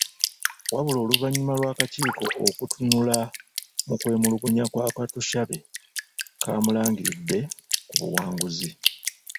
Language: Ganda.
Wabula oluvanyuma lw' akakiiko okutunula mukwemulugunya kwa Katushabe kamulangiriddde ku buwanguzi